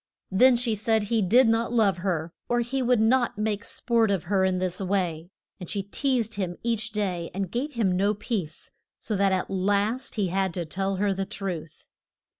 Then she said he did not love her or he would not make sport of her in this way. And she teased him each day, and gave him no peace, so that at last he had to tell her the truth.